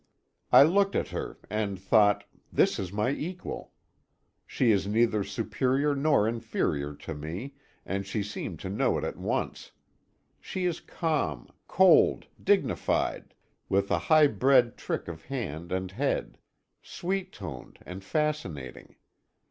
I looked at her and thought "This is my equal." She is neither superior nor inferior to me, and she seemed to know it at once. She is calm, cold, dignified, with a high bred trick of hand and head; sweet toned and fascinating.